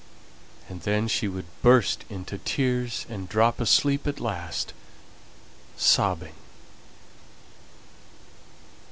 And then she would burst into tears, and drop asleep at last, sobbing.